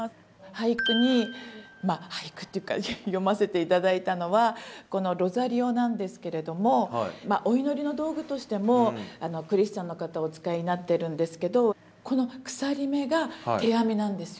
俳句にまあ俳句っていうか詠ませて頂いたのはこのロザリオなんですけれどもお祈りの道具としてもクリスチャンの方お使いになってるんですけど手編み？